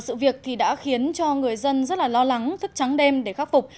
sự việc đã khiến người dân rất lo lắng thức trắng đêm để khắc phục